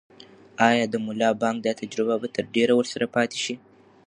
آیا د ملا بانګ دا تجربه به تر ډېره ورسره پاتې شي؟